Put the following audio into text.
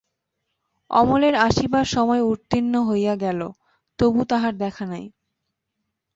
অমলের আসিবার সময় উত্তীর্ণ হইয়া গেল তবু তাহার দেখা নাই।